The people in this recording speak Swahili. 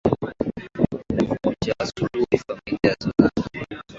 Umevunja usuhuba, familia zazozana,